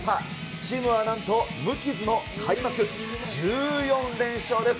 チームはなんと無傷の開幕１４連勝です。